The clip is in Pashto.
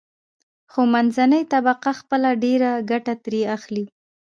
خو منځنۍ طبقه خپله ډېره ګټه ترې اخلي.